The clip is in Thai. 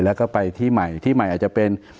แล้วก็ไปที่ใหม่ที่ใหม่อาจจะเป็น